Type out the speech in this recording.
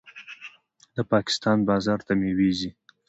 د پاکستان بازار ته میوې ځي.